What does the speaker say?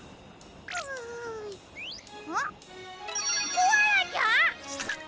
コアラちゃん！？